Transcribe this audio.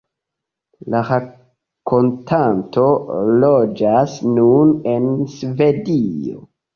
La rakontanto loĝas nun en Svedio.